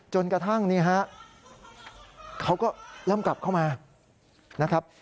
จนกระทั่งนี่ฮะเขาก็เริ่มกลับเข้ามานะครับ